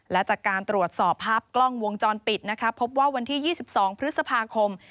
และจากการตรวจสอบภาพกล้องวงจรปิดนะคะพบว่าวันที่๒๒พฤษภาคม